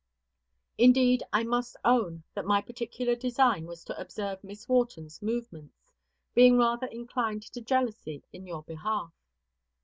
Indeed I must own that my particular design was to observe Miss Wharton's movements, being rather inclined to jealousy in your behalf.